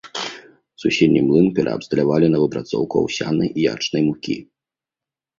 Суседні млын пераабсталявалі на выпрацоўку аўсянай і ячнай мукі.